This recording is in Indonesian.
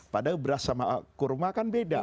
padahal beras sama kurma kan beda